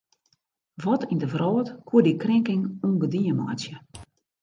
Wat yn de wrâld koe dy krinking ûngedien meitsje?